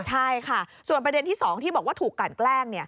ใช่ค่ะส่วนประเด็นที่๒ที่บอกว่าถูกกันแกล้ง